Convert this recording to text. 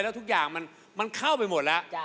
แล้วทุกอย่างมันเข้าไปหมดแล้ว